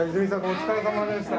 お疲れさまでした。